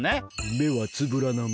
めはつぶらなめ。